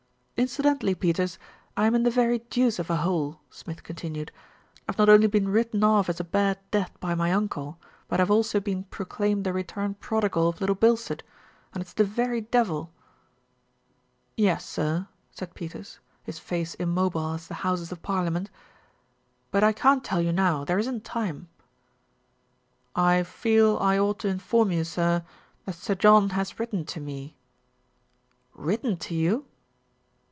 "Incidentally, Peters, I am in the very deuce of a hole," Smith continued. "I have not only been written off as a bad debt by my uncle; but I have also been MR. GADGETT PAYS A CALL 257 proclaimed the returned prodigal of Little Bilstead, and it's the very devil." "Yes, sir," said Peters, his face immobile as the Houses of Parliament. "But I can't tell you now, there isn't time." "I feel I ought to inform you, sir, that Sir John has written to me." "Written to you